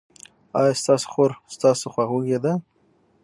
ایا ستاسو خور ستاسو خواخوږې ده؟